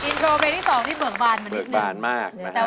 อินโทรเพลงที่๒นี่เบือกบานมานิดนึงนะครับเบือกบานมากนะครับ